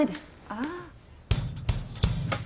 ああ。